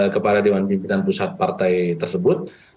kepada dewan pimpinan pusat partai tersebut